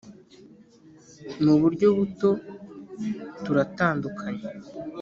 muburyo buto turatandukanye,